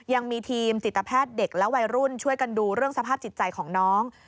ยังมีทีมจิตแพทย์เด็กและวัยรุ่นช่วยกันดูเรื่องสภาพจิตใจของน้อง